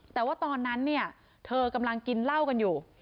แต่ว่าตอนนั้นเนี่ยเธอกำลังกินเหล้ากันอยู่